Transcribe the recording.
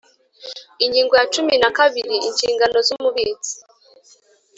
Ingingo ya cumi na kabiri : Inshingano z’Umubitsi